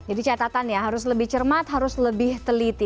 jadi catatan ya harus lebih cermat harus lebih teliti